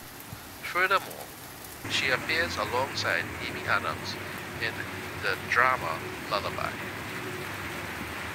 Furthermore, she appears alongside Amy Adams in the drama "Lullaby".